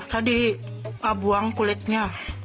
tadi abuang kulitnya